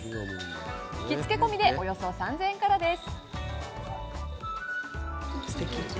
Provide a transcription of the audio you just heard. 着付け込みでおよそ３０００円からです。